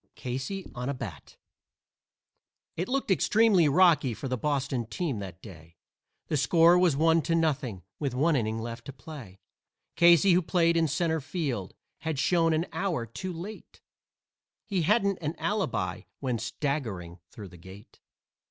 CASEY ON A BAT It looked extremely rocky for the Boston team that day, The score was one to nothing, with one inning left to play. Casey, who played in centre field, had shown an hour too late He hadn't any alibi when staggering through the gate.